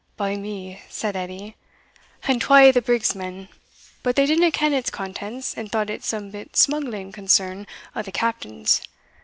"By me," said Edie, "and twa o' the brig's men but they didna ken its contents, and thought it some bit smuggling concern o' the Captain's.